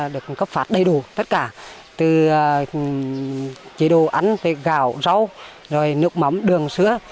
được cắt phát đầy đủ tất cả từ chế độ ăn gạo rau nước mắm đường sữa